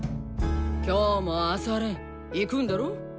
今日も朝練行くんだろ？